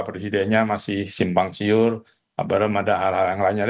presidennya masih simpang siur belum ada hal hal yang lainnya